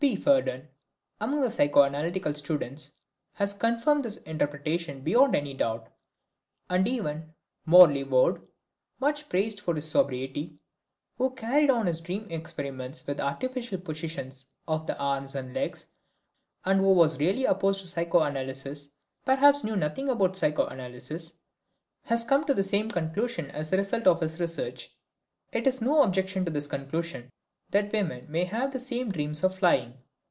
P. Federn, among the psychoanalytical students, has confirmed this interpretation beyond any doubt, and even Mourly Vold, much praised for his sobriety, who carried on his dream experiments with artificial positions of the arms and legs, and who was really opposed to psychoanalysis perhaps knew nothing about psychoanalysis has come to the same conclusion as a result of his research. It is no objection to this conclusion that women may have the same dreams of flying.